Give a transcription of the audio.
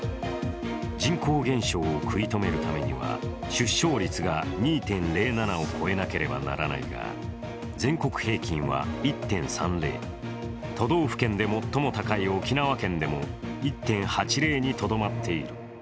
人口減少を食い止めるためには出生率が２．０７を超えなければならないが全国平均は１．３０、都道府県で最も高い沖縄県でも１．８０にとどまっている。